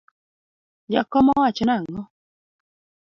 Jakom owacho nangó?